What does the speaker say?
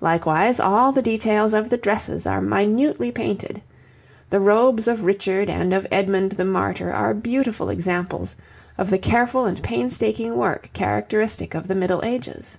Likewise, all the details of the dresses are minutely painted. The robes of Richard and of Edmund the Martyr are beautiful examples of the careful and painstaking work characteristic of the Middle Ages.